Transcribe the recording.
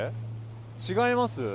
違います？